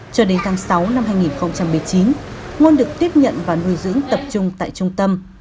cho đến tháng sáu năm hai nghìn một mươi chín ngôn được tiếp nhận và nuôi dưỡng tập trung tại trung tâm